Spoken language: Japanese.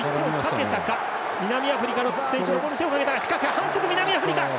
反則、南アフリカ。